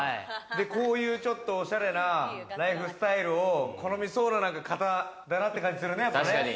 こういうちょっとおしゃれなライフスタイルを好みそうな方だなって感じするね。